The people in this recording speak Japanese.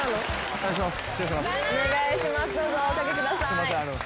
お願いします。